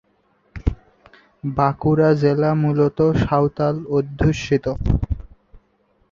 বাঁকুড়া জেলা মূলত সাঁওতাল অধ্যুষিত।